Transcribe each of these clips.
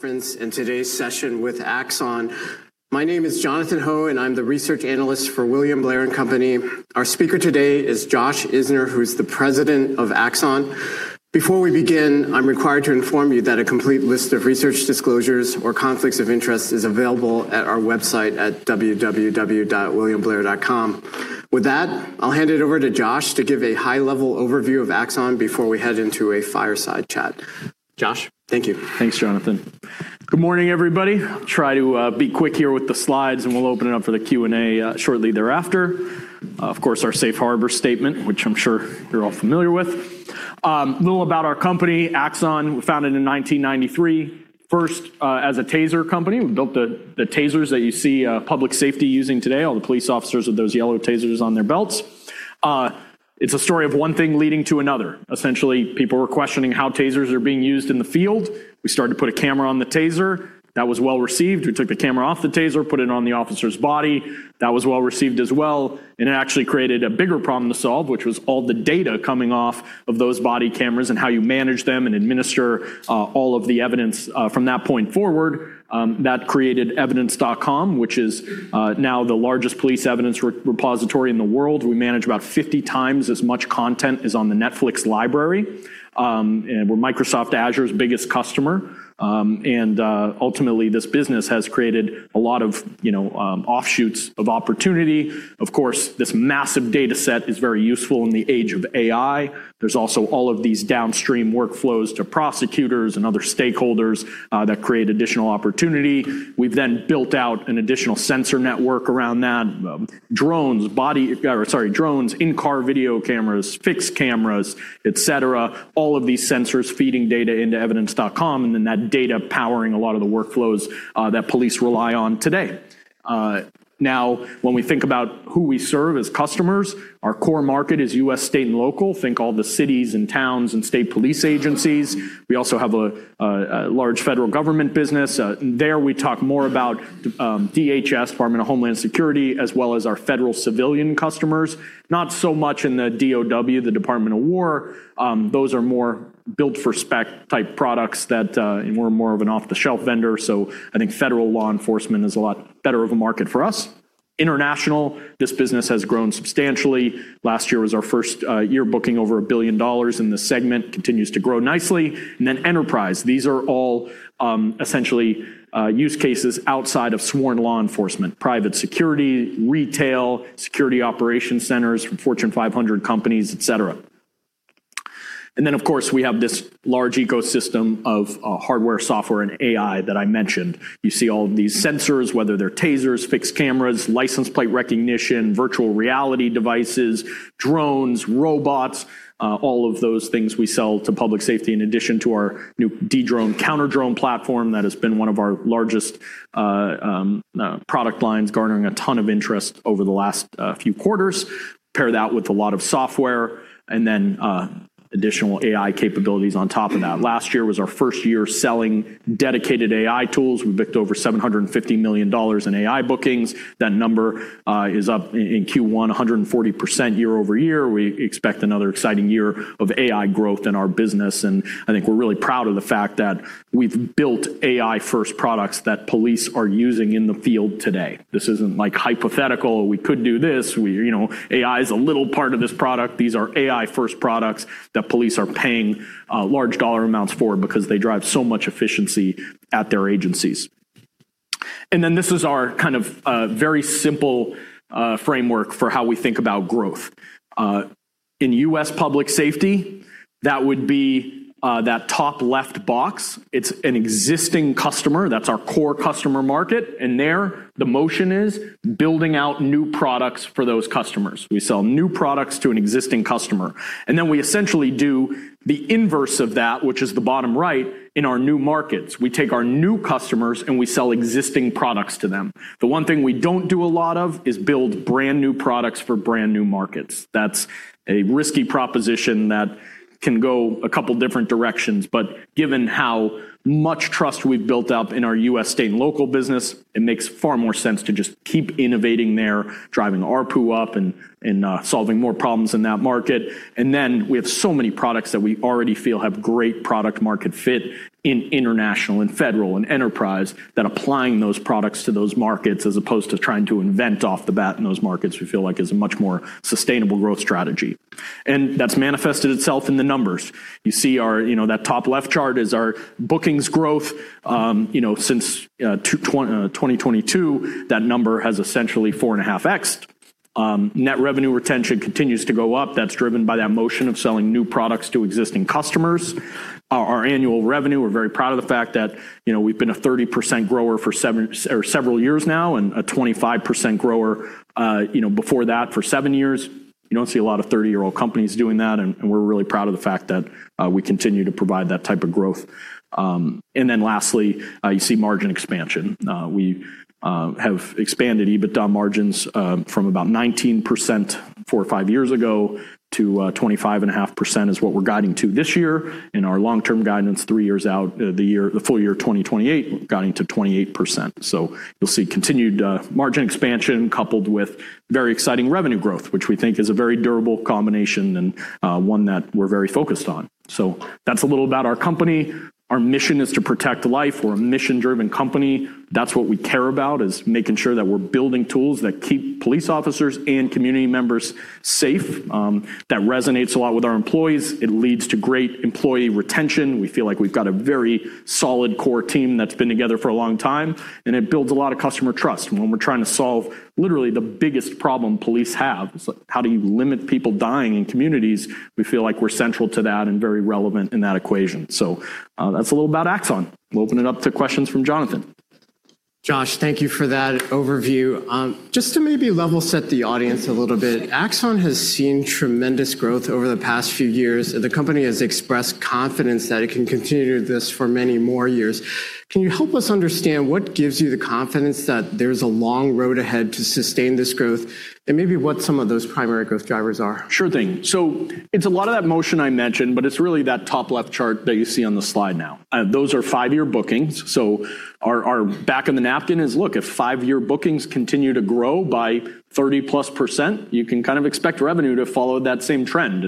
Thanks in today's session with Axon. My name is Jonathan Ho, and I'm the research analyst for William Blair & Company. Our speaker today is Josh Isner, who's the president of Axon. Before we begin, I'm required to inform you that a complete list of research disclosures or conflicts of interest is available at our website at www.williamblair.com. With that, I'll hand it over to Josh to give a high-level overview of Axon before we head into a fireside chat. Josh, thank you. Thanks, Jonathan. Good morning, everybody. Try to be quick here with the slides, and we'll open it up for the Q&A shortly thereafter. Of course, our safe harbor statement, which I'm sure you're all familiar with. A little about our company, Axon, founded in 1993, first as a TASER company. We built the TASERs that you see public safety using today, all the police officers with those yellow TASERs on their belts. It's a story of one thing leading to another. Essentially, people were questioning how TASERs are being used in the field. We started to put a camera on the TASER. That was well-received. We took the camera off the TASER, put it on the officer's body. That was well-received as well. It actually created a bigger problem to solve, which was all the data coming off of those body cameras and how you manage them and administer all of the evidence from that point forward. That created Evidence.com, which is now the largest police evidence repository in the world. We manage about 50x as much content as on the Netflix library. We're Microsoft Azure's biggest customer. Ultimately, this business has created a lot of offshoots of opportunity. Of course, this massive data set is very useful in the age of AI. There's also all of these downstream workflows to prosecutors and other stakeholders that create additional opportunity. We've built out an additional sensor network around that. Drones, in-car video cameras, fixed cameras, et cetera, all of these sensors feeding data into Axon Evidence, that data powering a lot of the workflows that police rely on today. When we think about who we serve as customers, our core market is U.S. state and local. Think all the cities and towns and state police agencies. We also have a large federal government business. There, we talk more about DHS, Department of Homeland Security, as well as our federal civilian customers. Not so much in the DOD, the Department of Defense. Those are more built-for-spec type products that we're more of an off-the-shelf vendor. I think federal law enforcement is a lot better of a market for us. International, this business has grown substantially. Last year was our first year booking over $1 billion in this segment. Continues to grow nicely. Enterprise. These are all essentially use cases outside of sworn law enforcement. Private security, retail, security operation centers, Fortune 500 companies, et cetera. Then, of course, we have this large ecosystem of hardware, software, and AI that I mentioned. You see all of these sensors, whether they're TASERs, fixed cameras, license plate recognition, virtual reality devices, drones, robots, all of those things we sell to public safety in addition to our new Dedrone, counter-drone platform that has been one of our largest product lines, garnering a ton of interest over the last few quarters. Pair that with a lot of software and then additional AI capabilities on top of that. Last year was our first year selling dedicated AI tools. We booked over $750 million in AI bookings. That number is up in Q1, 140% year-over-year. We expect another exciting year of AI growth in our business. I think we're really proud of the fact that we've built AI-first products that police are using in the field today. This isn't hypothetical, we could do this. AI is a little part of this product. These are AI-first products that police are paying large dollar amounts for because they drive so much efficiency at their agencies. This is our very simple framework for how we think about growth. In U.S. public safety, that would be that top left box. It's an existing customer. That's our core customer market. There, the motion is building out new products for those customers. We sell new products to an existing customer. We essentially do the inverse of that, which is the bottom right, in our new markets. We take our new customers, and we sell existing products to them. The one thing we don't do a lot of is build brand-new products for brand-new markets. That's a risky proposition that can go a couple different directions. Given how much trust we've built up in our U.S. state and local business, it makes far more sense to just keep innovating there, driving ARPU up, and solving more problems in that market. We have so many products that we already feel have great product-market fit in international and federal and enterprise that applying those products to those markets as opposed to trying to invent off the bat in those markets we feel like is a much more sustainable growth strategy. That's manifested itself in the numbers. You see that top left chart is our bookings growth. Since 2022, that number has essentially 4.5x-ed. Net revenue retention continues to go up. That's driven by that motion of selling new products to existing customers. Our annual revenue, we're very proud of the fact that we've been a 30% grower for several years now and a 25% grower before that for seven years. You don't see a lot of 30-year-old companies doing that, and we're really proud of the fact that we continue to provide that type of growth. Lastly, you see margin expansion. We have expanded EBITDA margins from about 19% four or five years ago to 25.5% is what we're guiding to this year. In our long-term guidance, three years out, the full year 2028, guiding to 28%. You'll see continued margin expansion coupled with very exciting revenue growth, which we think is a very durable combination and one that we're very focused on. That's a little about our company. Our mission is to protect life. We're a mission-driven company. That's what we care about, is making sure that we're building tools that keep police officers and community members safe. That resonates a lot with our employees. It leads to great employee retention. We feel like we've got a very solid core team that's been together for a long time, and it builds a lot of customer trust. When we're trying to solve literally the biggest problem police have, how do you limit people dying in communities, we feel like we're central to that and very relevant in that equation. That's a little about Axon. We'll open it up to questions from Jonathan. Josh, thank you for that overview. Just to maybe level set the audience a little bit, Axon has seen tremendous growth over the past few years, and the company has expressed confidence that it can continue this for many more years. Can you help us understand what gives you the confidence that there's a long road ahead to sustain this growth, and maybe what some of those primary growth drivers are? Sure thing. It's a lot of that motion I mentioned, but it's really that top left chart that you see on the slide now. Those are five-year bookings. Our back of the napkin is, look, if five-year bookings continue to grow by 30%+, you can kind of expect revenue to follow that same trend.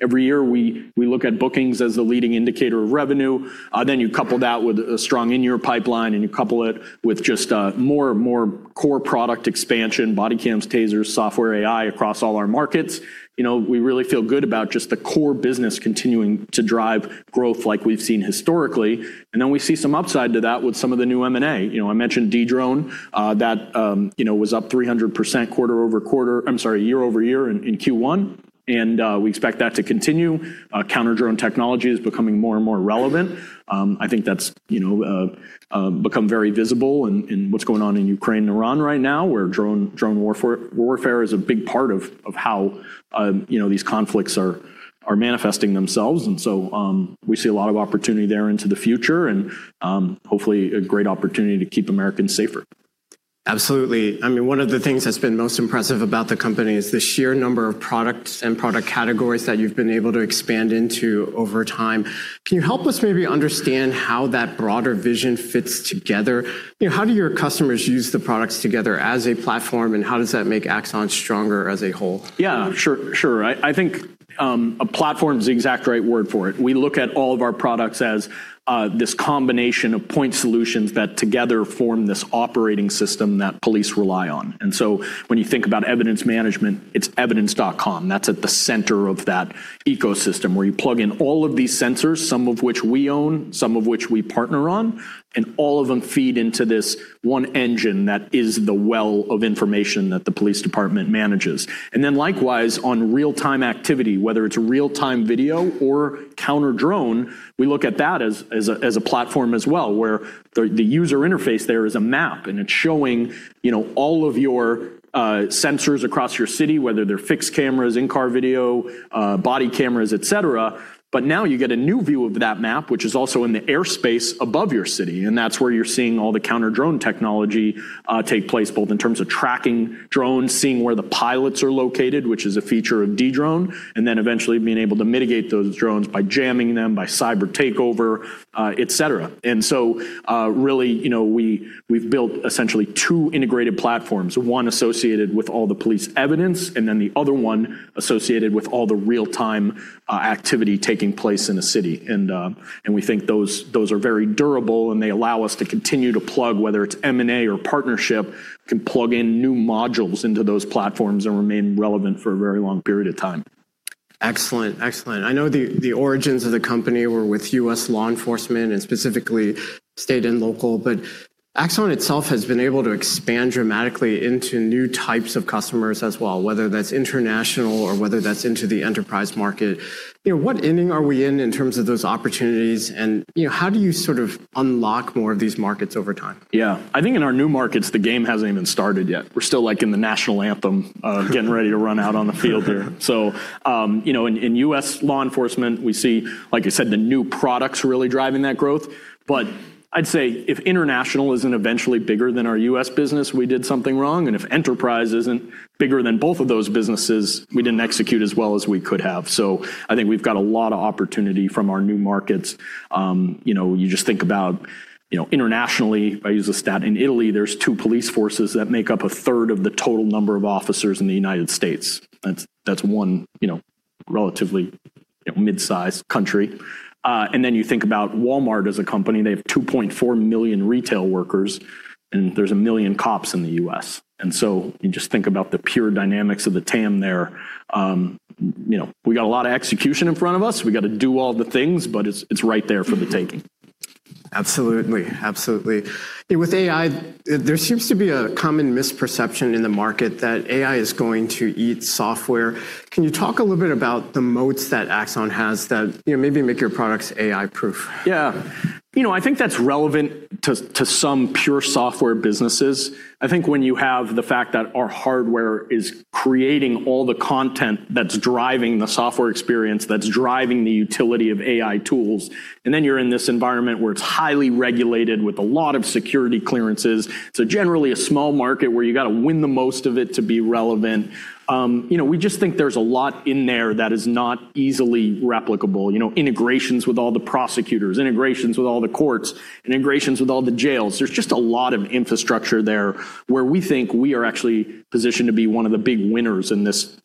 Every year we look at bookings as the leading indicator of revenue. You couple that with a strong in-year pipeline, and you couple it with just more core product expansion, body cams, TASERs, software, AI, across all our markets. We really feel good about just the core business continuing to drive growth like we've seen historically. We see some upside to that with some of the new M&A. I mentioned Dedrone. That was up 300% year-over-year in Q1. We expect that to continue. Counter drone technology is becoming more and more relevant. I think that's become very visible in what's going on in Ukraine and Iran right now, where drone warfare is a big part of how these conflicts are manifesting themselves. We see a lot of opportunity there into the future and, hopefully, a great opportunity to keep Americans safer. Absolutely. One of the things that's been most impressive about the company is the sheer number of products and product categories that you've been able to expand into over time. Can you help us maybe understand how that broader vision fits together? How do your customers use the products together as a platform, and how does that make Axon stronger as a whole? Yeah, sure. I think platform is the exact right word for it. We look at all of our products as this combination of point solutions that together form this operating system that police rely on. When you think about evidence management, it's Axon Evidence. That's at the center of that ecosystem where you plug in all of these sensors, some of which we own, some of which we partner on, and all of them feed into this one engine that is the well of information that the police department manages. Likewise, on real-time activity, whether it's real-time video or counter drone, we look at that as a platform as well, where the user interface there is a map, and it's showing all of your sensors across your city, whether they're fixed cameras, in-car video, body cameras, et cetera. Now you get a new view of that map, which is also in the airspace above your city, and that's where you're seeing all the counter drone technology take place, both in terms of tracking drones, seeing where the pilots are located, which is a feature of Dedrone, and then eventually being able to mitigate those drones by jamming them, by cyber takeover, et cetera. Really, we've built essentially two integrated platforms, one associated with all the police evidence and then the other one associated with all the real-time activity taking place in a city. We think those are very durable, and they allow us to continue to plug, whether it's M&A or partnership, can plug in new modules into those platforms and remain relevant for a very long period of time. Excellent. I know the origins of the company were with U.S. law enforcement and specifically state and local, Axon itself has been able to expand dramatically into new types of customers as well, whether that's international or whether that's into the enterprise market. What inning are we in in terms of those opportunities, and how do you sort of unlock more of these markets over time? Yeah. I think in our new markets, the game hasn't even started yet. We're still in the national anthem, getting ready to run out on the field here. In U.S. law enforcement, we see, like you said, the new products really driving that growth. I'd say if international isn't eventually bigger than our U.S. business, we did something wrong. If enterprise isn't bigger than both of those businesses, we didn't execute as well as we could have. I think we've got a lot of opportunity from our new markets. You just think about internationally, I use a stat, in Italy, there's two police forces that make up a third of the total number of officers in the United States. That's one relatively mid-sized country. You think about Walmart as a company. They have 2.4 million retail workers, and there's 1 million cops in the U.S. You just think about the pure dynamics of the TAM there. We got a lot of execution in front of us. We got to do all the things, but it's right there for the taking. Absolutely. With AI, there seems to be a common misperception in the market that AI is going to eat software. Can you talk a little bit about the moats that Axon has that maybe make your products AI-proof? Yeah. I think that's relevant to some pure software businesses. I think when you have the fact that our hardware is creating all the content that's driving the software experience, that's driving the utility of AI tools, and then you're in this environment where it's highly regulated with a lot of security clearances, so generally a small market where you got to win the most of it to be relevant. We just think there's a lot in there that is not easily replicable. Integrations with all the prosecutors, integrations with all the courts, integrations with all the jails. There's just a lot of infrastructure there where we think we are actually positioned to be one of the big winners in this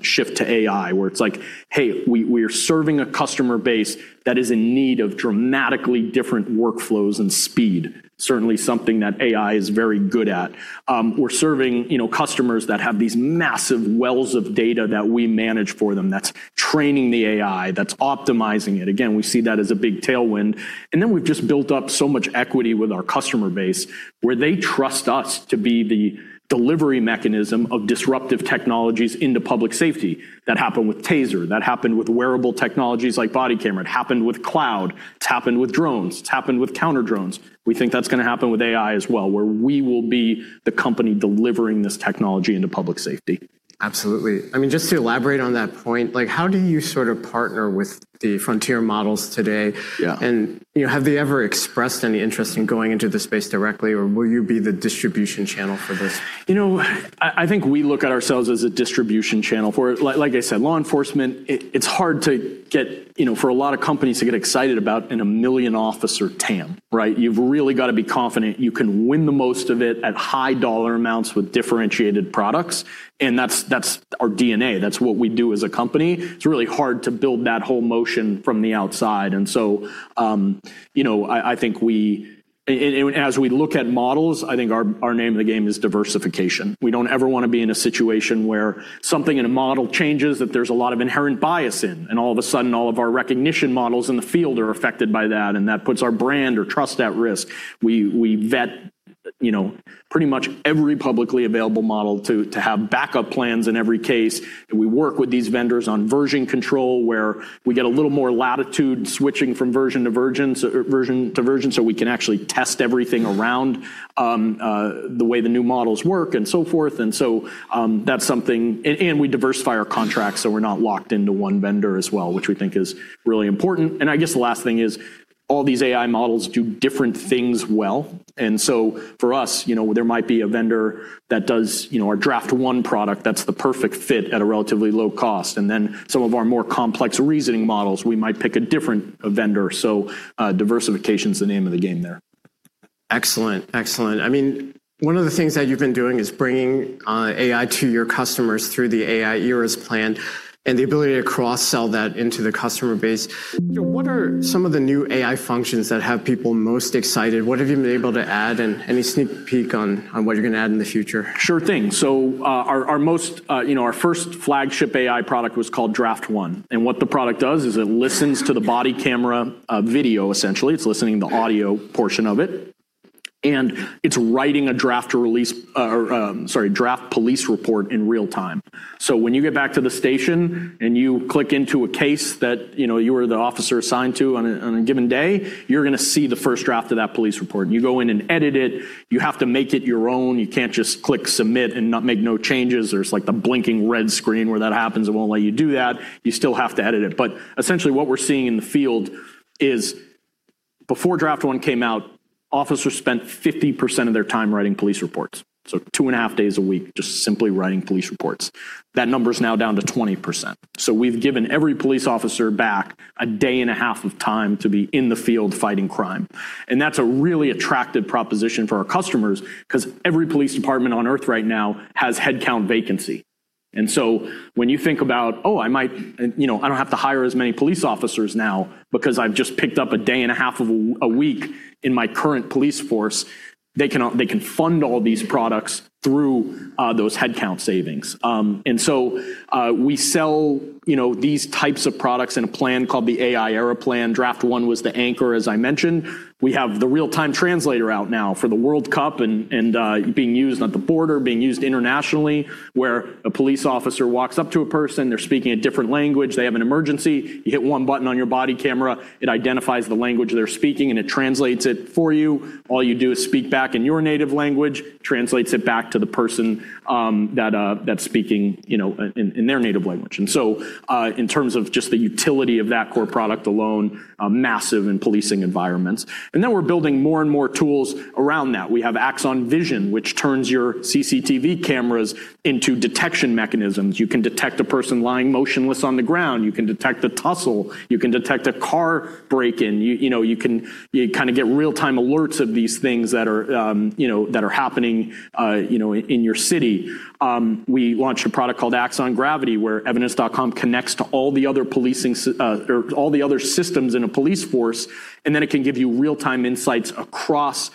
shift to AI, where it's like, hey, we are serving a customer base that is in need of dramatically different workflows and speed. Certainly something that AI is very good at. We're serving customers that have these massive wells of data that we manage for them, that's training the AI, that's optimizing it. Again, we see that as a big tailwind. We've just built up so much equity with our customer base where they trust us to be the delivery mechanism of disruptive technologies into public safety. That happened with TASER, that happened with wearable technologies like body camera. It happened with cloud. It's happened with drones. It's happened with counter drones. We think that's going to happen with AI as well, where we will be the company delivering this technology into public safety. Absolutely. Just to elaborate on that point, how do you partner with the frontier models today? Yeah. Have they ever expressed any interest in going into the space directly, or will you be the distribution channel for this? I think we look at ourselves as a distribution channel for it. Like I said, law enforcement, it's hard for a lot of companies to get excited about in a 1 million-officer TAM, right? You've really got to be confident you can win the most of it at high dollar amounts with differentiated products, and that's our DNA. That's what we do as a company. It's really hard to build that whole motion from the outside. As we look at models, I think our name of the game is diversification. We don't ever want to be in a situation where something in a model changes, that there's a lot of inherent bias in, and all of a sudden, all of our recognition models in the field are affected by that, and that puts our brand or trust at risk. We vet pretty much every publicly available model to have backup plans in every case. We work with these vendors on version control, where we get a little more latitude switching from version to version, so we can actually test everything around the way the new models work and so forth. We diversify our contracts, so we're not locked into one vendor as well, which we think is really important. I guess the last thing is, all these AI models do different things well. For us, there might be a vendor that does our Draft One product that's the perfect fit at a relatively low cost. Some of our more complex reasoning models, we might pick a different vendor. Diversification's the name of the game there. Excellent. One of the things that you've been doing is bringing AI to your customers through the AI Era Plan and the ability to cross-sell that into the customer base. What are some of the new AI functions that have people most excited? What have you been able to add, and any sneak peek on what you're going to add in the future? Sure thing. Our first flagship AI product was called Draft One, and what the product does is it listens to the body camera video, essentially. It's listening to the audio portion of it, and it's writing a draft police report in real time. When you get back to the station and you click into a case that you were the officer assigned to on a given day, you're going to see the first draft of that police report, and you go in and edit it. You have to make it your own. You can't just click submit and not make no changes. There's the blinking red screen where that happens. It won't let you do that. You still have to edit it. Essentially what we're seeing in the field is before Draft One came out, officers spent 50% of their time writing police reports, so two and a half days a week just simply writing police reports. That number's now down to 20%. We've given every police officer back a day and a half of time to be in the field fighting crime. That's a really attractive proposition for our customers because every police department on Earth right now has headcount vacancy. When you think about, "Oh, I don't have to hire as many police officers now because I've just picked up a day and a half of a week in my current police force," they can fund all these products through those headcount savings. We sell these types of products in a plan called the AI Era Plan. Draft One was the anchor, as I mentioned. We have the real-time translator out now for the World Cup and being used at the border, being used internationally, where a police officer walks up to a person, they're speaking a different language, they have an emergency. You hit one button on your body camera, it identifies the language they're speaking, and it translates it for you. All you do is speak back in your native language, translates it back to the person that's speaking in their native language. In terms of just the utility of that core product alone, massive in policing environments. Then we're building more and more tools around that. We have Axon Vision, which turns your CCTV cameras into detection mechanisms. You can detect a person lying motionless on the ground. You can detect a tussle. You can detect a car break-in. You get real-time alerts of these things that are happening in your city. We launched a product called Axon Gravity, where Evidence.com connects to all the other systems in a police force, and then it can give you real-time insights across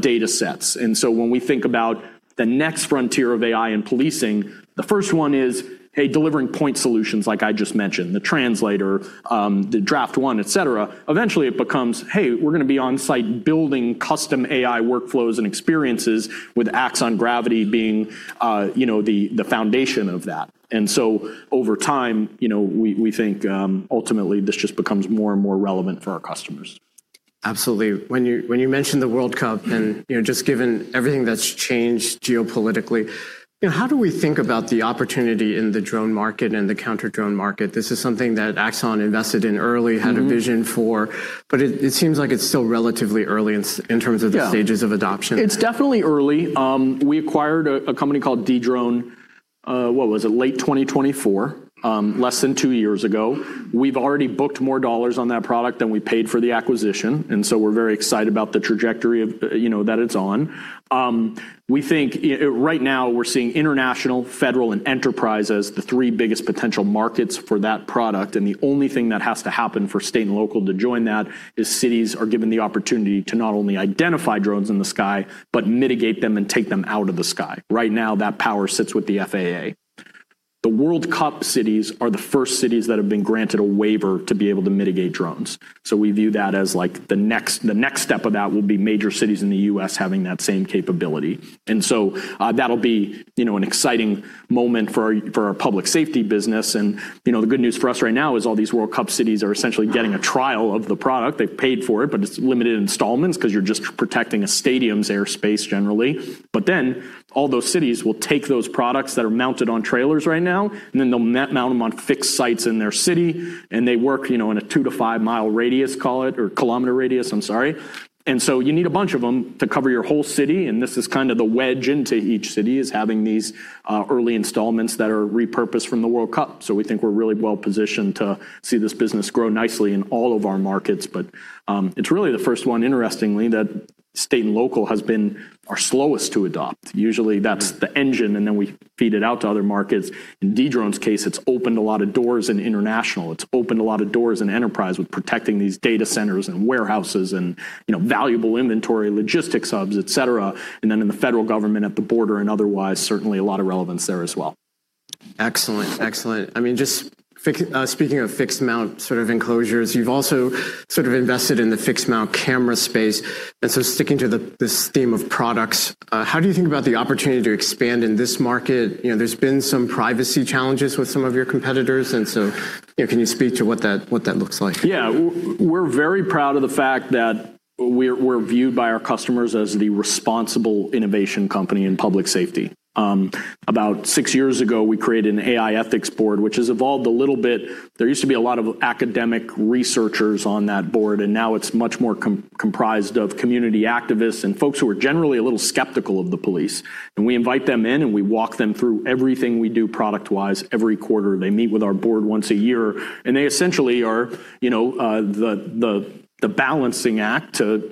data sets. When we think about the next frontier of AI in policing, the first one is, hey, delivering point solutions like I just mentioned, the translator, the Draft One, et cetera. Eventually it becomes, hey, we're going to be on-site building custom AI workflows and experiences with Axon Gravity being the foundation of that. Over time, we think ultimately this just becomes more and more relevant for our customers. Absolutely. When you mention the World Cup and just given everything that's changed geopolitically, how do we think about the opportunity in the drone market and the counter-drone market? This is something that Axon invested in early, had a vision for, but it seems like it's still relatively early in terms of the stages of adoption. It's definitely early. We acquired a company called Dedrone, what was it? Late 2024, less than two years ago. We've already booked more dollars on that product than we paid for the acquisition, we're very excited about the trajectory that it's on. We think right now we're seeing international, federal, and enterprise as the three biggest potential markets for that product, the only thing that has to happen for state and local to join that is cities are given the opportunity to not only identify drones in the sky but mitigate them and take them out of the sky. Right now, that power sits with the FAA. The World Cup cities are the first cities that have been granted a waiver to be able to mitigate drones. We view that as the next step of that will be major cities in the U.S. having that same capability. That'll be an exciting moment for our public safety business. The good news for us right now is all these World Cup cities are essentially getting a trial of the product. They've paid for it, but it's limited installments because you're just protecting a stadium's airspace generally. All those cities will take those products that are mounted on trailers right now, and then they'll mount them on fixed sites in their city, and they work in a 2-5-mile radius, call it, or kilometer radius, I'm sorry. You need a bunch of them to cover your whole city, and this is kind of the wedge into each city is having these early installments that are repurposed from the World Cup. We think we're really well-positioned to see this business grow nicely in all of our markets, but it's really the first one, interestingly, that state and local has been our slowest to adopt. Usually, that's the engine, and then we feed it out to other markets. In Dedrone's case, it's opened a lot of doors in international. It's opened a lot of doors in enterprise with protecting these data centers and warehouses and valuable inventory, logistics hubs, et cetera. Then in the federal government at the border and otherwise, certainly a lot of relevance there as well. Excellent. Just speaking of fixed mount sort of enclosures, you've also sort of invested in the fixed mount camera space. Sticking to this theme of products, how do you think about the opportunity to expand in this market? There's been some privacy challenges with some of your competitors, and so can you speak to what that looks like? Yeah. We're very proud of the fact that we're viewed by our customers as the responsible innovation company in public safety. About six years ago, we created an AI ethics board, which has evolved a little bit. There used to be a lot of academic researchers on that board, and now it's much more comprised of community activists and folks who are generally a little skeptical of the police. We invite them in, and we walk them through everything we do product-wise every quarter. They meet with our board once a year, and they essentially are the balancing act to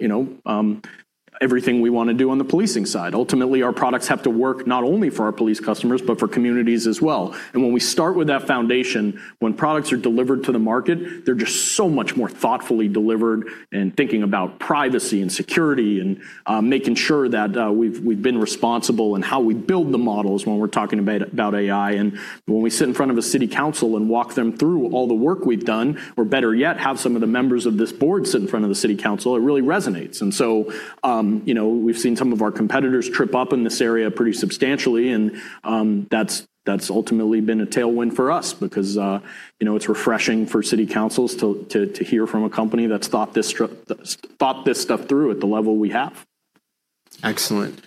everything we want to do on the policing side. Ultimately, our products have to work not only for our police customers but for communities as well. When we start with that foundation, when products are delivered to the market, they're just so much more thoughtfully delivered and thinking about privacy and security and making sure that we've been responsible in how we build the models when we're talking about AI. When we sit in front of a city council and walk them through all the work we've done, or better yet, have some of the members of this board sit in front of the city council, it really resonates. We've seen some of our competitors trip up in this area pretty substantially, and that's ultimately been a tailwind for us because it's refreshing for city councils to hear from a company that's thought this stuff through at the level we have. Excellent.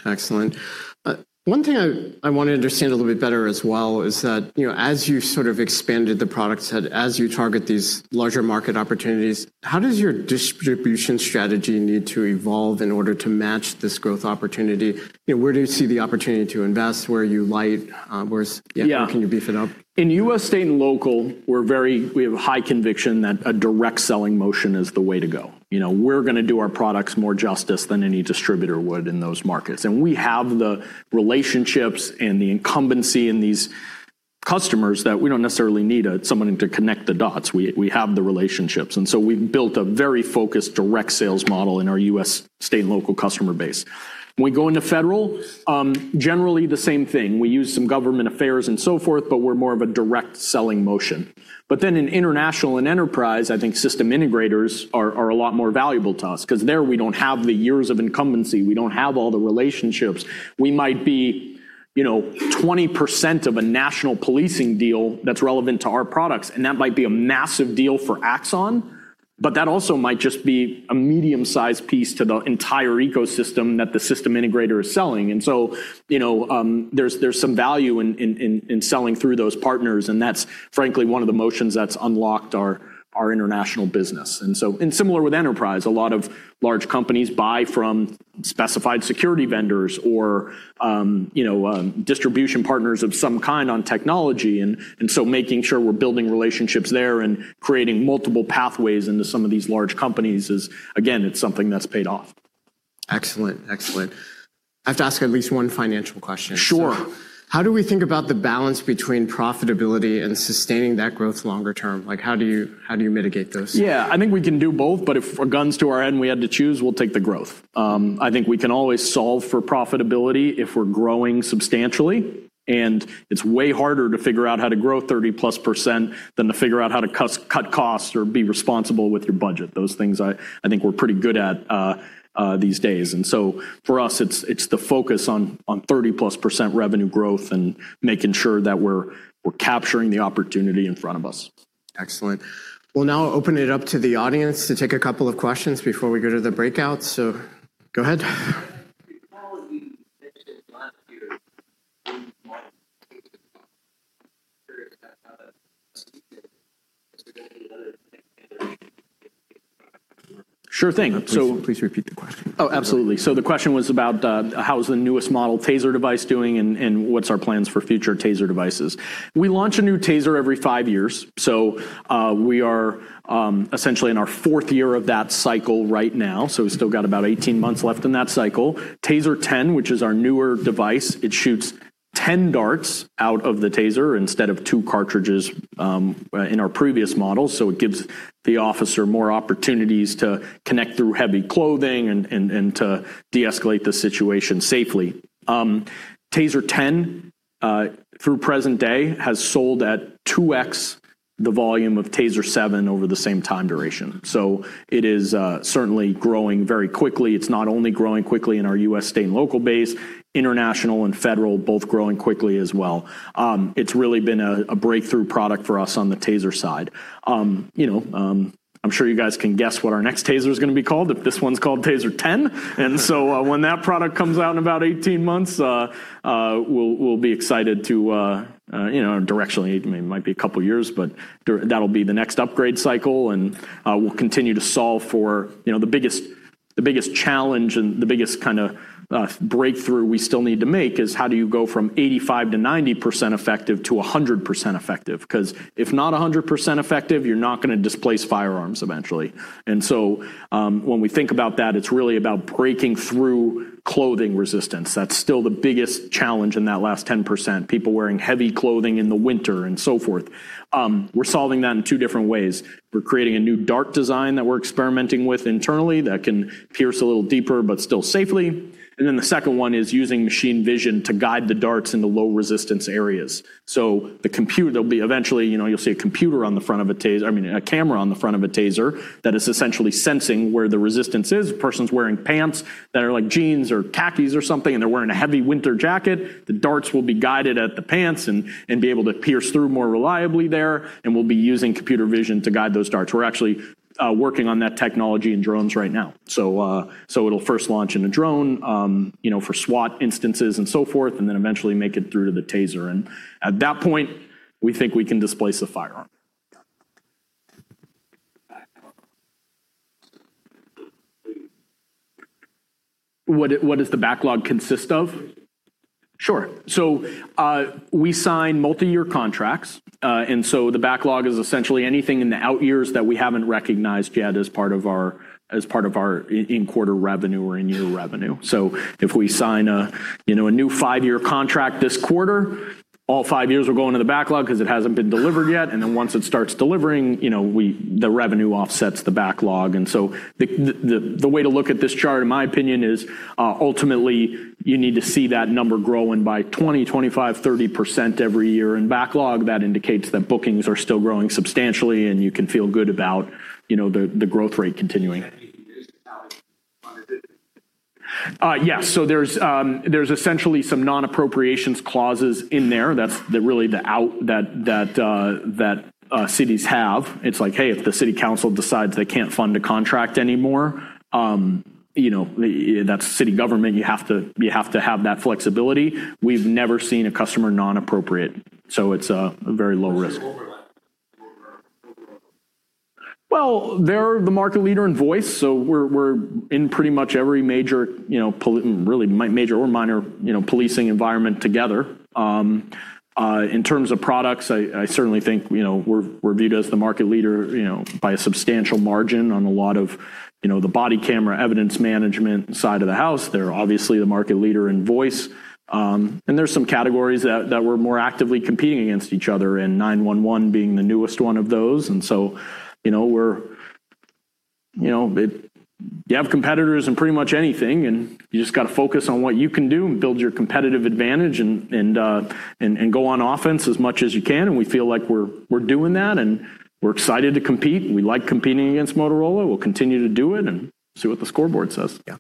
One thing I want to understand a little bit better as well is that as you sort of expanded the product set, as you target these larger market opportunities, how does your distribution strategy need to evolve in order to match this growth opportunity? Where do you see the opportunity to invest? Where are you light? Yeah Can you beef it up? In U.S. state and local, we have a high conviction that a direct selling motion is the way to go. We're going to do our products more justice than any distributor would in those markets. We have the relationships and the incumbency in these customers that we don't necessarily need someone to connect the dots. We have the relationships, we've built a very focused direct sales model in our U.S. state and local customer base. When we go into federal, generally the same thing. We use some government affairs and so forth, we're more of a direct selling motion. In international and enterprise, I think system integrators are a lot more valuable to us because there we don't have the years of incumbency. We don't have all the relationships. We might be 20% of a national policing deal that's relevant to our products, and that might be a massive deal for Axon, but that also might just be a medium-sized piece to the entire ecosystem that the system integrator is selling. There's some value in selling through those partners, and that's frankly one of the motions that's unlocked our international business. Similar with enterprise, a lot of large companies buy from specified security vendors or distribution partners of some kind on technology. Making sure we're building relationships there and creating multiple pathways into some of these large companies is, again, it's something that's paid off. Excellent. I have to ask at least one financial question. Sure. How do we think about the balance between profitability and sustaining that growth longer term? How do you mitigate those? I think we can do both, if guns to our head and we had to choose, we'll take the growth. I think we can always solve for profitability if we're growing substantially, it's way harder to figure out how to grow 30+ percent than to figure out how to cut costs or be responsible with your budget. Those things I think we're pretty good at these days. For us, it's the focus on 30+ percent revenue growth and making sure that we're capturing the opportunity in front of us. Excellent. We'll now open it up to the audience to take a couple of questions before we go to the breakout. Go ahead. Sure thing. Please repeat the question. Oh, absolutely. The question was about how is the newest model TASER device doing, and what's our plans for future TASER devices. We launch a new TASER every five years. We are essentially in our fourth year of that cycle right now, so we've still got about 18 months left in that cycle. TASER 10, which is our newer device, it shoots 10 darts out of the TASER instead of two cartridges in our previous model. It gives the officer more opportunities to connect through heavy clothing and to deescalate the situation safely. TASER 10, through present day, has sold at 2x the volume of TASER 7 over the same time duration. It is certainly growing very quickly. It's not only growing quickly in our U.S. state and local base, international and federal, both growing quickly as well. It's really been a breakthrough product for us on the TASER side. I'm sure you guys can guess what our next TASER is going to be called, if this one's called TASER 10. When that product comes out in about 18 months, we'll be excited to, directionally, it might be a couple of years, but that'll be the next upgrade cycle. We'll continue to solve for the biggest challenge and the biggest kind of breakthrough we still need to make is how do you go from 85% to 90% effective to 100% effective? Because if not 100% effective, you're not going to displace firearms eventually. When we think about that, it's really about breaking through clothing resistance. That's still the biggest challenge in that last 10%, people wearing heavy clothing in the winter and so forth. We're solving that in two different ways. We're creating a new dart design that we're experimenting with internally that can pierce a little deeper, but still safely. The second one is using machine vision to guide the darts into low resistance areas. There'll be eventually, you'll see a camera on the front of a TASER that is essentially sensing where the resistance is. A person's wearing pants that are like jeans or khakis or something, and they're wearing a heavy winter jacket. The darts will be guided at the pants and be able to pierce through more reliably there, and we'll be using computer vision to guide those darts. We're actually working on that technology in drones right now. It'll first launch in a drone for SWAT instances and so forth, and then eventually make it through to the TASER. At that point, we think we can displace the firearm. What does the backlog consist of? Sure. We sign multi-year contracts. The backlog is essentially anything in the out years that we haven't recognized yet as part of our in quarter revenue or in year revenue. If we sign a new five-year contract this quarter, all five years are going to the backlog because it hasn't been delivered yet. Once it starts delivering, the revenue offsets the backlog. The way to look at this chart in my opinion is, ultimately you need to see that number growing by 20%, 25%, 30% every year. In backlog, that indicates that bookings are still growing substantially and you can feel good about the growth rate continuing. Yes. There's essentially some non-appropriations clauses in there that cities have. It's like, hey, if the city council decides they can't fund a contract anymore, that's city government. You have to have that flexibility. We've never seen a customer non-appropriate, so it's a very low risk. Well, they're the market leader in voice, so we're in pretty much every major or minor policing environment together. In terms of products, I certainly think we're viewed as the market leader by a substantial margin on a lot of the body camera evidence management side of the house. They're obviously the market leader in voice. There's some categories that we're more actively competing against each other, and 911 being the newest one of those. You have competitors in pretty much anything, and you just got to focus on what you can do and build your competitive advantage and go on offense as much as you can. We feel like we're doing that, and we're excited to compete. We like competing against Motorola. We'll continue to do it and see what the scoreboard says. Yeah.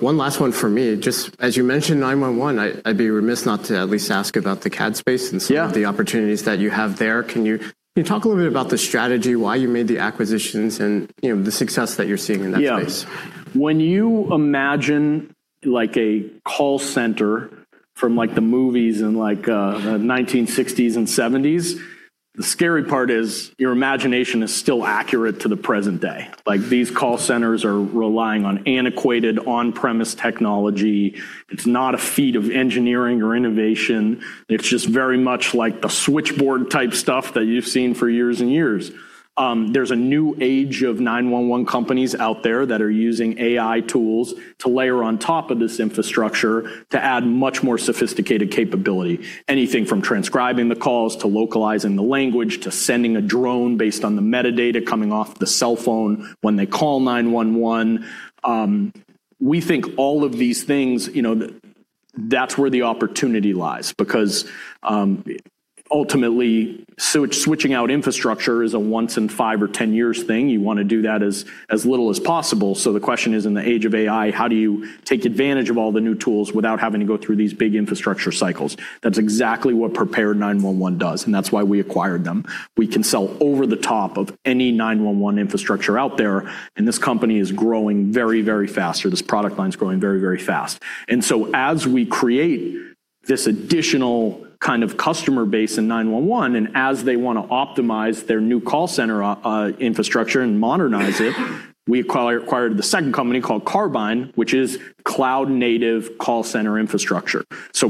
One last one for me. Just as you mentioned 911, I'd be remiss not to at least ask about the CAD space. Yeah Some of the opportunities that you have there. Can you talk a little bit about the strategy, why you made the acquisitions, and the success that you're seeing in that space? Yeah. When you imagine a call center from the movies in 1960s and '70s, the scary part is your imagination is still accurate to the present day. These call centers are relying on antiquated on-premise technology. It's not a feat of engineering or innovation. It's just very much like the switchboard type stuff that you've seen for years and years. There's a new age of 911 companies out there that are using AI tools to layer on top of this infrastructure to add much more sophisticated capability. Anything from transcribing the calls, to localizing the language, to sending a drone based on the metadata coming off the cell phone when they call 911. We think all of these things, that's where the opportunity lies because, ultimately, switching out infrastructure is a once in five or 10 years thing. You want to do that as little as possible. The question is, in the age of AI, how do you take advantage of all the new tools without having to go through these big infrastructure cycles? That's exactly what Prepared 911 does, and that's why we acquired them. We can sell over the top of any 911 infrastructure out there, and this company is growing very, very fast, or this product line's growing very, very fast. As we create this additional kind of customer base in 911 and as they want to optimize their new call center infrastructure and modernize it, we acquired the second company called Carbyne, which is cloud native call center infrastructure.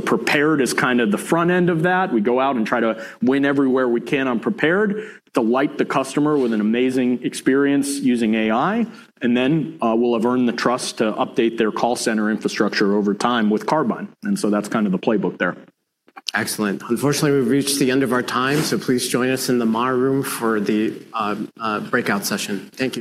Prepared is kind of the front end of that. We go out and try to win everywhere we can on Prepared, delight the customer with an amazing experience using AI, and then we'll have earned the trust to update their call center infrastructure over time with Carbyne. That's kind of the playbook there. Excellent. Unfortunately, we've reached the end of our time. Please join us in the Mar room for the breakout session. Thank you.